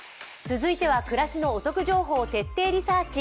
続いては暮らしのお得情報を徹底リサーチ。